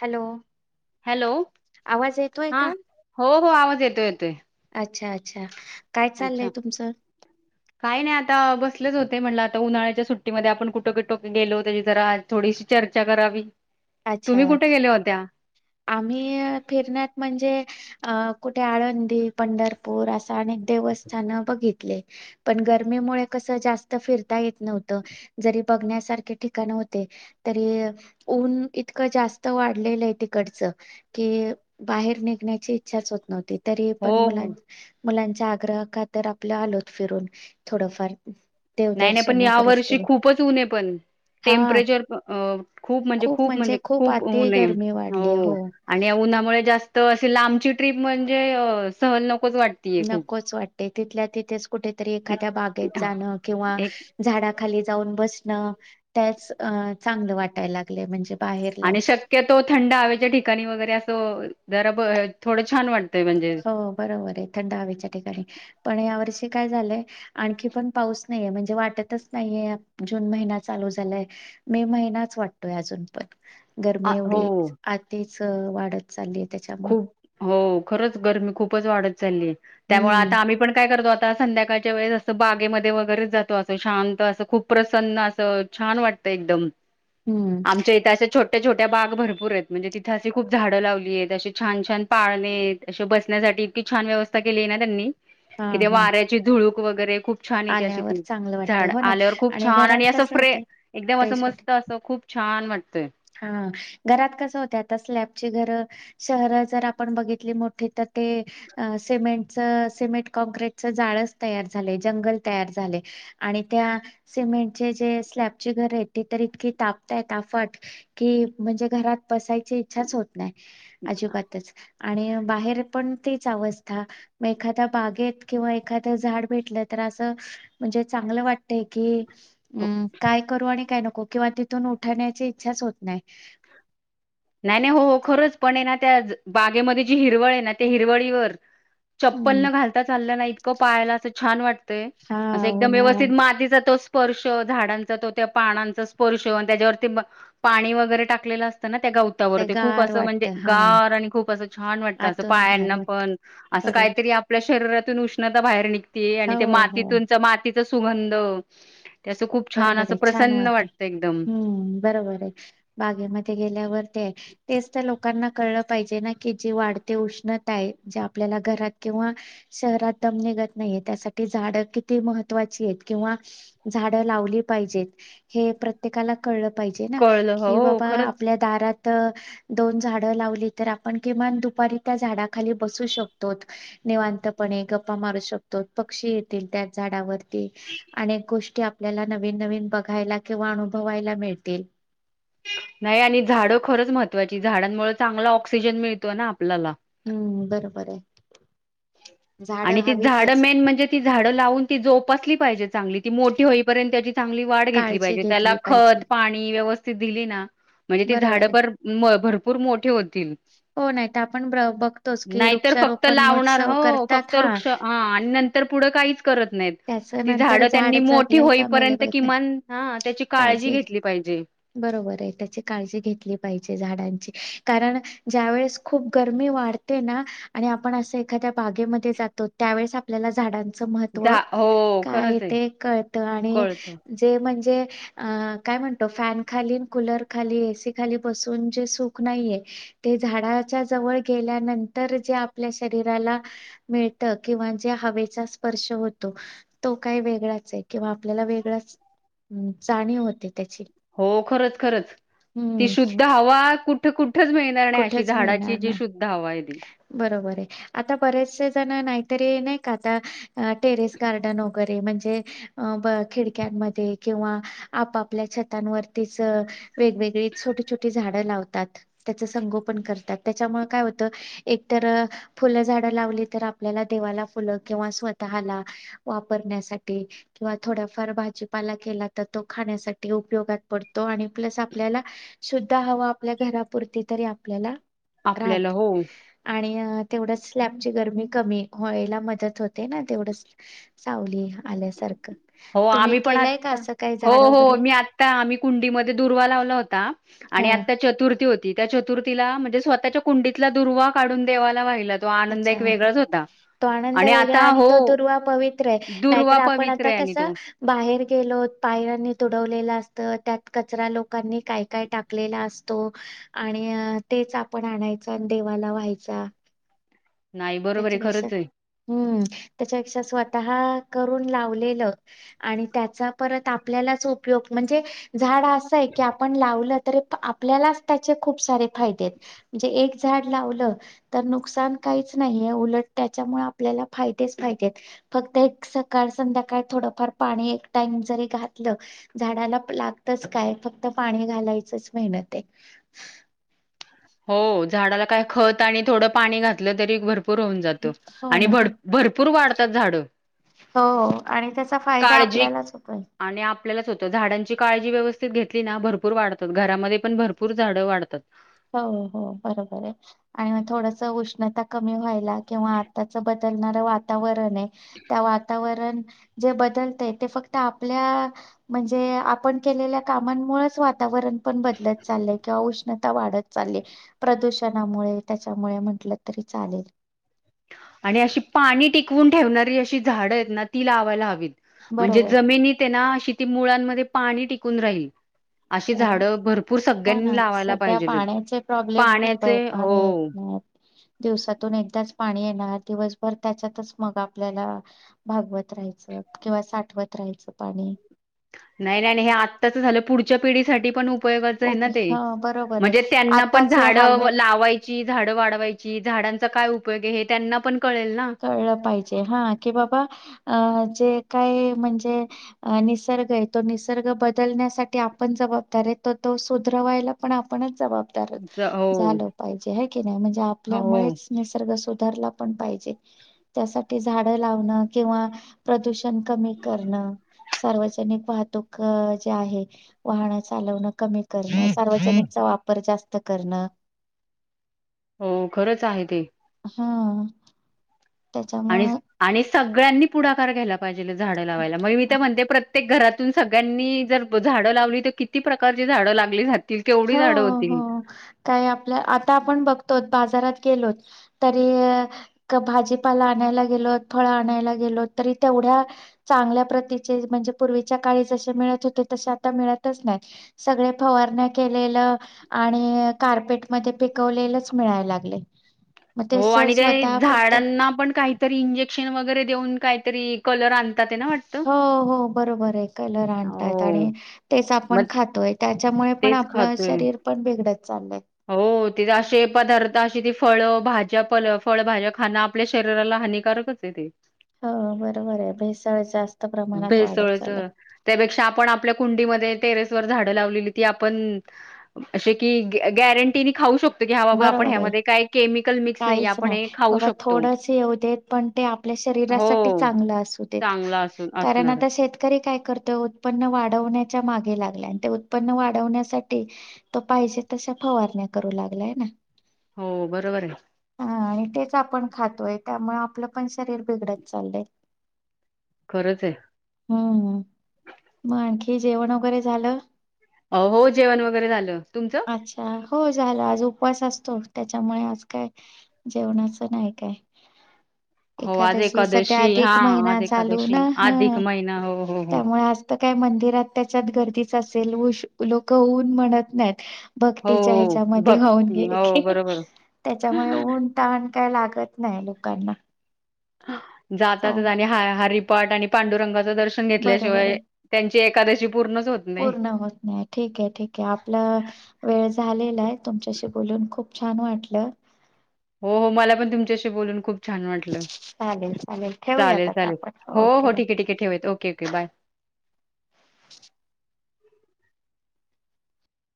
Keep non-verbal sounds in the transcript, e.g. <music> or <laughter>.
Hello. Hello आवाज येतोय हा का? हो हो आवाज येतोय येतोय. <inaudible> अच्छा तुमचं? काही नाइ आता बस लच होतय म्हटलं आता उन्हाळ्याच्या सुट्टीमध्ये आपण कुठ कुठं गेलो त्याची जरा थोडीशी चर्चा करावी. अच्छा तुम्ही कुठ गेल्या होत्या? आम्ही फिरण्यात म म्हणजे अ कुठे आळंदी पंढरपूर असं अनेक देवस्थान बघितले पण गरमीमुळे कस जास्त फिरता येत नव्हत जरी बघण्यासारखे ठिकाण होते, तरी ऊन इतकं जास्त वाढले लय तिथे कडच की बाहेर निघण्याची इच्छाच होत नव्हती. तरी हो पण मुलांन हो मुलांच्या आग्रह खातीर आपल्या आलोत फिरून थोडंफार नाइ नाइ पण देवदर्शन या वगैरेच वर्षी केले खूपच उन हाय पण हा टेम्परेचर अं खूप म्हणजे खूप म्हणजे खूप ऊन नेम हो आणि या उन्हामुळे जास्त त अशी लांबची ट्रीप म्हणजे सहल नक नकोच वाटते तिथल्या तिथेच कुठेतरी एखाद्या बागेत जाणं खे किंवा एक झाडा खाली जाऊन बसणं त्याच चांगलं वाटायला लागलंय म्हणजे बाहेर लांब आणि शक्यतो थंड हवेच्या ठिकाणी वगरे असं जरा ब थोडं छान वा हो बरोबर हाय थंड हवेच्या ठिकाणी पण यावर्षी काय झालंय आणखी पण पाऊस नाइ याय म्हणजे वाटतच नाइ याय जून महिना चालू झालाय, मे महिनाच वाटतोय अजून पण आ गरमी हो एवढी आतीच चं वाढत चालित खूप हो खरंच गरमी खूपच वाढत चालली आहे. त्यामुळे हम्म आता आम्ही पण काय करतो? आता संध्याकाळच्या वेळेस असं बागेमध्ये वगैरेच जातो असं शांत असं खूप प्रसन्न असं छान वाटतं एकदम. हम्म आमच्या इथे असं छोट छोट्या छोट्या बाग भरपूर आहेत म्हणजे तिथे अशी खूप झाड लावली आहेत अशी छान-छान पाळणे अ बसण्यासाठी इतकी छान व्यवस्था केली आहे ना त्यांनी हा किती हा वाऱ्याची धुळू कु वगैरे खूप छान येते अशी आल्यावर की चांगलं वाटतं झाडं हो ना आल्यावर खूप छान आणि घरात असं कसं फ्रे होतंय एकदम असं फ्रेश होते मस्त असं खूप छान वाट हा घरात कसं होतय आता स्लॅपची घरं शहरा जर आपण बघितली मोठी तर ते अ सिमेंटच सिमेंट काँक्रिटचा जाळचं तयार झाले, जंगल तयार झाले आणि त्या सिमेंटचे जे स्लॅपची घर आहेत ते तर इतकी तापताय ताफट कि म्हणजे घरात बसायची इच्छाच होत नाही अजिबातच आणि बाहेर पण तीच अवस्था म एखाद्या बागेत किंवा एखाद्या झाड भेटलं तर असं म्हणजे चांगलं वाटतय की हम्म काय करू आणि काय नक कोके वाटीत तिथून उठवण्याची च होत नाही. नाही नाही हो हो खरंच पण आहे ना त्या बागेमध्ये जी हिरवळ आहे ना ते हिरवळीवर चप्पल हम्म न घालता चाललं ना इतकं पायाला असं छान वाटतंय हा असं एकदम उन्हाळा व्यवस्थित मातीचा तो स् पर्श झाडांचा तो त्या पानांचा स्पर्श त्याच्यावरती पाणी वगैरे टाकलेला असतं ना त्या गवतावर ते खूप गार असं म्हणजे वाटत हा गार आणि खूप असं छान वाटतं असं आतून गार पायांना वाटत पण असं बरोबर काहीतरी आपल्या शरीरात तून उष्णता बाहेर निघ तेय हो आणि ते हो मातीतूनच माती चा सुगंध ते असं खूप छान बरोबर असं आहे छान प्रसन्न वाटे वाटतं एकदम हम्म बरोबर आहे, बागेमध्ये गे ल्यावर ते तेच लोकांना कळलं पाहिजे की जी वाढते उष्णता आहे, ज्या आपल्याला घरात किंवा शहरातम निघत नाहीये त्यासाठी झाड किती महत्त्वाची आहेत किंवा झा ड लावली पाहिजे हे प्रत्येकाला कळलं पाहिजे ना कळलं हो कि बाबा खरंच आपल्या दारात दोन झाडं लावली तर आपण किमान दुपारी त्या झाडाखाली बसू शकतोत निवांतपणे गप्पा मारू शकतो पक्षी येतील त्या झाडावरती अनेक गोष्टी आपल्याला नवीन-नवीन बघायला किंवा अनुभवायला मिळतील. नाही आणि झाडं खरंच महत्त्वाची झाडांमुळे चांगला ऑक्सिजन मिळतो ना आपल्याला. हम्म बरोबर आहे. झाडं आणि ती झाड हवीतच मेन म्हणजे ती झाडं लावून ती जोपासली पाहिजेत. चांगली ती मोठी होईपर्यंत त्याची चांगली वाढ घेतली काळजी पाहिजे त्याला घेतली पाहिजे खत पाणी व्यवस् दिली ना म्हणजे ते झाड बरोबर आहे. पार भरपूर मोठे होतील हो नाही तर आपण ब बघतोच की नाहीतर फक्त वृक्षारोपण लावणार महोत्सव हो करतात फक्त वृक्ष हा तर पुढं काहीच करत नाहीत. त्याच ती नंतर झाडं झाड त्यांनी मोठी जगलंय का मेले होईपर्यंत बघत नाही किमान हा त्याची काळजी घेतली पाहिजे. बरोबर आहे त्याची काळजी घेतली पाहि कारण ज्या वळेस खूप गरमी वाढते ना आणि आपण अस एखाद्या बागेमध्ये जातो त्यावेळेस आपल्याला झाडां महत्त्व. झा हो काय खरंच आहे ते कळत आणि कळत जे म्हणजे अ काय म्हणतो फॅन खाली कूलर खाली एसी खाली बसून जे सूख नाहीये तो काही वेगळाच आहे किंवा आपल्याला वेगळाच जाणीव होते. त्याची. हो खरंच खरच ती हम्म शुद्ध हवा कुठ त कु कुठचं मिळणार नाही अशी कुठेच झाडाची मिळणार जी नाही. शुद्ध हवा आहे ती. बरोबर आहे. आता बरेचसे जण नाहीतरी नाही का आता अ टेरेस गार्डन हो वगैरे म्हणजे. <inaudible> किंवा आपापल्या छतांवरतीच वेगवेगळी छोटी छोटी झाडं लावतात. त्याच संगोपन करतात त्याच्यामुळे काय होतं एकतर फुलं झाड लावली तर आपल्याला देवाला फुलं किंवा स्वतःला वापरण्यासाठी किंवा थोड पुरती तरी आपल्याला आपल्याला राहात हो आणि तेवढच स्लॅबची गरमी कमी व्हायला मदत होते ना तेवढच सावली आल्यासारखं. हो तुम्ही आम्ही पण केलंय का आता असं काही हो झाडं हो वगैरे? मी आता आम्ही कुंडीमध्ये दुर्वा लावला होता आणि हं, आता चतुर्थी होती त्या चतुर्थीला म्हणजे स्वतःच्या कुंडीतला दुर्वा काढून देवाला व्हाहिला अच्छा तो आनंद वेगळा आता आणि हो तो दुर्वा पवित्र आहे दुर्वा नाहीतर आप पण पवित्र आता आहे आणि कस तो बाहेर गेलो पायांनी तुडवलेला त्यात कचरा लोकांनी काय काय टाकलेला असतो आणि तेच आपण आणायच आणि देवाला व्हायचा. नाही बरोबर आहे त्याच्यापेक्षा खरंच आहे. हम्म त्याच्यापेक्षा स्वतः करून लावलेलं आणि त्याचा परत आपल्यालाच उपयोग म्हणजे झाड असं आहे की आपण लावलं तरी आपल्यालाच त्याचे खूप सारे फायदे आएत, म्हणजे एक झाड लावलं तर नुकसान काहीच नाहीये उलट त्याच्यामुळे आपल्याला फायदेच फायदेत. फक्त एक सकाळ संध्याकाळ थोडंफार पाणी एक टाइम जरी घातलं, झाडाला लागतच काय फक्त पाणी घालायचच मेहनते. हो झाडाला काय खत आणि थोडं पाणी घातलं तरी भरप पूर होऊन जातो. हो आणि ना भड भरपूर वाढ तात झाडं. हो, आणि त्याचा फायदा काळजी आपल्यालाच होतोय. आणि आपल्यालाच होतं झाडांची काळजी व्यवस्थित घेतली ना भरपूर वाढतात. घरामध्ये पण भरपूर झाडं वाढतात. हो-हो बरोबर आय. आणि म थोडंसं उष्णता कमी व्हाय ला किंवा आताचं ब तलणारं वातावरण ए, त्या वातावरण जे बदलतंय ते फक्त आपल्या म्हणजे आपण केलेल्या कामांमुळेच वातावरण पण बदलत चाललंय, किंवा उष्ण ता वाढत चालले. प्रदूषणामुळे त्याच्यामुळे म्हंटलं तरी चालेल. आणि अशी पाणी टिकवून ठेवणारी अशी झाडं आहेत ना ती लावायला हवीत. म्हणजे बरोबर. जमिनी तेना अशी ती मुळांमध्ये पाणी टिकून राहील. अशी बरं झाडं भरपूर हो ना सगळ्यांनी लावायला सध्या पाहिजेलत. पाण्याचे प्रॉब्लेम खूप आहे पाण्याचे पाणी येत हो. नाही. दिवसातून एकदाच पाणी येणार. दिवसभर त्याच्यातच मग आपल्याला भागवत त राहायचं, किंवा साठवत त्रायचं पाणी. नाई-नाई-नाई हे आत्ताचं झालं, पुढच्या पिढीसाठी पण उप उपयोगाचं आहे ना ओके ते. हा बरोबर आहे म्हणजे त्यांना पण आताच हे झाडं हालत लावायची झाडं वाढवायची झाडां ता काय उपयोगे हे त्यांना पण कळेल ना. कळलं पाहिजे. हां की बाबा अ चे काय म्हणजे निसर्ग हय तो निसर्ग बदलण्यासाठी आपण जबाबदार आय त तो सुधरवायला पण आपणच जबाबदार ज झालं पाहिजे हाय की नई म्हणजे हो आपल्यामुळेच निसर्ग सो धरला पण पाहिजे. त्यासाठी झाडं लावणं किंवा प्रदूषण कमी करणं, सार्वजनिक वाहतूक जे आहे वाहनं चालवणं. कमी करणं. हो. सार्वजनिकचा वापर जास्त त करणं हो, खरंच आहे ते. हां आणि त्याच्यामुळं आणि सगळ्यांनी पुढाकार घ्याला पाहिजेल झाडं लावायला. मग मी ते म्हणते प्रत ते घरातून सगळ्यांनी जर झाडं लावली तर किती प्रकारची झाडं लागली जात हो हो, काय आपल्या आता आपण बघतो बाजारात केलोत तरी भाजीपाला आणायला गेलो फळ आणायला गेलो तरी तेवढ्या चांगल्या प्रतीचे म्हणजे पूर्वीच्या काळी जसे मिळत होते तसे आता मिळतच नाही सगळे फवारण्या केलेलं आणि कारपेट मध्ये पिकवलेलंच मिळाय लागलय. हो आणि ते झाडांना पण काहीतरी इंजेक्शन वगैरे देऊन काहीतरी कलर आण हो हो बरोबर ये कलर आणताय हो आणि तेच आपण मग खातोय त्याच्यामुळे पण तेच आपलं खातोय. शरीर पण बिघडत चाललंय. हो तिथे असे पदार्थ अशी ती फळ भाज्या पल फळभाज्या खाणं आपल्या शरीराला हानिकारकच ये ते हो बरोबर ये भेसळ जास्त प्रमाणात वाढत चालय. कुंडी मध्ये टेरस वर झाड लावलेली ती आपनं असे की गॅ गॅरंटीनी खाऊ शक बरोबरये नाही काहीच आपण नाय हे खाऊ बाबा शकतो. थोडस येऊ देत पण ते आपल्या हो शरीरासाठी चांगलं असू देत चांगला अस कारण असणार आता शेतकरी काय करतोय उत्पन्न वाढवण्यात त्या मागे लागलाय आणि ते उत्पन्न वाढवण्यासाठी तो पाहिजे तशा फवारण्या करू लागलाय. <inaudible> हो बरोबर ये. हा आणि तेच आपण खातोय त्यामुळे आपलं पण शरीर बिघडत चाललंय. खरंच आहे. हूं हूं म आण कि जेवण वगैरे झालं. हो जेवण वगैरे झालं तुमचं अच्छा हो झालं आज उप उपवास असतो त्याच्यामुळे आज काय जेवणाच नाय काय हो आज एखादशी सध्या एकादशी हा अधीक महिना आज चालू एकादशी ना अधिक ह महिना हो हो हो. त्यामुळ आज तर काय मंदिरात त्याच्यात गर्दी ससेल लोक ऊन म्हणत नाहीत. हो भक्ततीच्या ह्याच्यामध्ये होऊन भक्ती हो बरोबर. त्याच्यामुळे ऊन तानं काय लागत नाय लोकांना <inaudible> चाल जातातच आणि ह हरी पाठ आणि पांडुरंगा च दर्शन बरोबर घेतल्याशिवाय आहे त्यांचे एकादशी पूर्णच होत नाही पूर्ण होत नाही ठीक आहे ठीक आहे आपला वेळ झालेला आहे तुमच्याशी बोलून खूप छान वाटलं. हो हो मला पण तुमच्याशी बोलून खूप छान वाटलं चालेल चालेल ठेवूयात चालेल आता चालेल आपण हो ओके हो बाय ठीके ठीके ठेवुयत ओके ओके बाय.